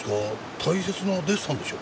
大切なデッサンでしょ？